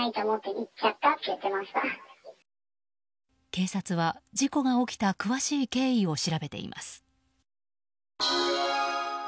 警察は事故が起きた詳しい経緯を調べています。